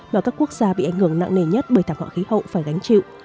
mà các quốc gia bị ảnh hưởng nặng nề nhất bởi thảm họa khí hậu phải gánh chịu